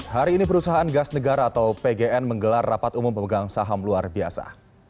hari ini perusahaan gas negara atau pgn menggelar rapat umum pemegang saham luar biasa